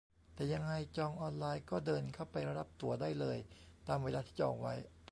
แต่ยังไงจองออนไลน์ก็เดินเข้าไปรับตั๋วได้เลยตามเวลาที่จองไว้